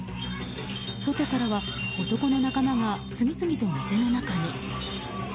外からは男の仲間が次々と店の中に。